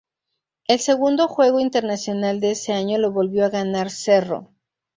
El segundo juego internacional de ese año lo volvió a ganar Cerro.